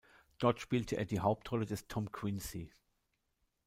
Dort spielt er die Hauptrolle des Tom Quincy.